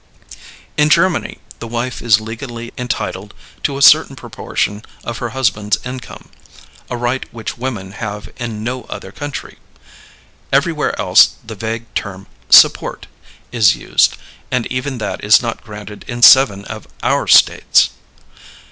In Germany the wife is legally entitled to a certain proportion of her husband's income, a right which women have in no other country. Everywhere else the vague term "support" is used, and even that is not granted in seven of our States.